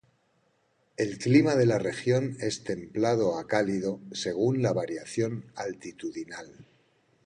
El clima de la región es templado a cálido según la variación altitudinal.